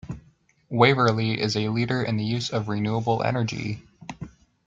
Waverly is a leader in the use of renewable energy.